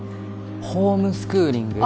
ホームスクーリングあ